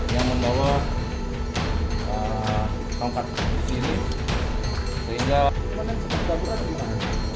yang membawa tongkat ini tinggal ya laku telah